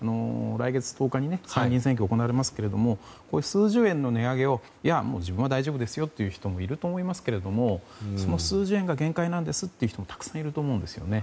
来月１０日に参議院選挙行われますが数十円の値上げを自分は大丈夫という人もいると思いますけれどもその数十円が限界なんですという人もたくさんいると思うんですよね。